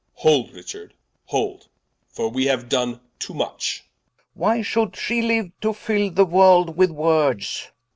Edw. Hold, Richard, hold, for we haue done too much Rich. Why should shee liue, to fill the World with words Edw.